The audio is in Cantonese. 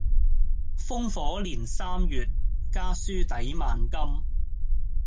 烽火連三月，家書抵萬金